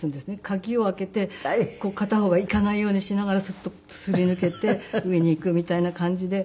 鍵を開けて片方が行かないようにしながらスッとすり抜けて上に行くみたいな感じで。